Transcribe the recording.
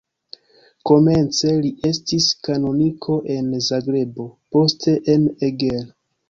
Komence li estis kanoniko en Zagrebo, poste en Eger.